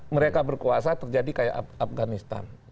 mereka berkuasa terjadi seperti di afganistan